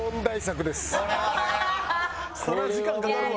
そりゃ時間かかるわ。